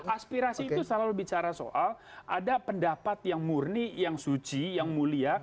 aspirasi itu selalu bicara soal ada pendapat yang murni yang suci yang mulia